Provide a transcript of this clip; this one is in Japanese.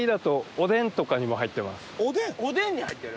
おでんに入ってる？